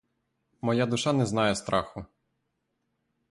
Моя душа не знає страху.